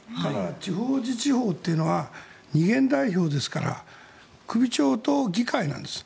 地方自治法というのは二元代表ですから首長と議会なんです。